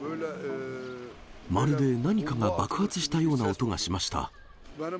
まるで何かが爆発したような音がしました。